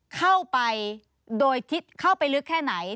เข้าไปโดยที่เข้าไปลึกแค่ไหน